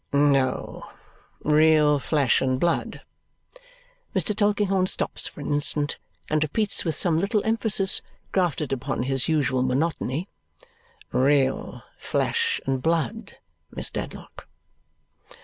"No. Real flesh and blood." Mr. Tulkinghorn stops for an instant and repeats with some little emphasis grafted upon his usual monotony, "Real flesh and blood, Miss Dedlock.